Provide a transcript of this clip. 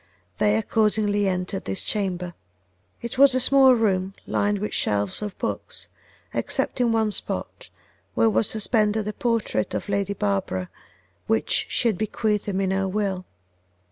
They accordingly entered his chamber. It was a small room lined with shelves of books, except in one spot, where was suspended a portrait of Lady Barbara, which she had bequeathed him in her will.